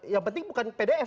yang penting bukan pds